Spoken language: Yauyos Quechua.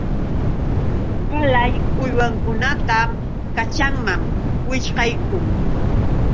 Qalay uywankunatam kaćhanman wićhqaykun.